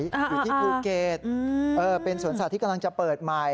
อยู่ที่ภูเก็ตเป็นสวนสัตว์ที่กำลังจะเปิดใหม่